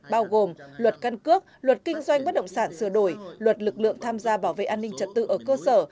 bao gồm luật căn cước luật kinh doanh bất động sản sửa đổi luật lực lượng tham gia bảo vệ an ninh trật tự ở cơ sở